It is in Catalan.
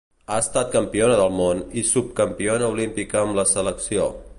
Ha estat campiona del món i subcampiona olímpica amb la selecció.